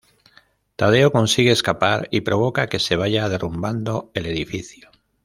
Tadeo consigue escapar y provoca que se vaya derrumbando el edificio.